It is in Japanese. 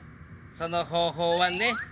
その方法はね。